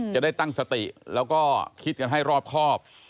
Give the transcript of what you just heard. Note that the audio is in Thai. จะได้ตั้งสติแล้วก็คิดกันให้รอบครอบ